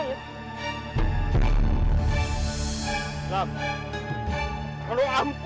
bu uh haji belum ke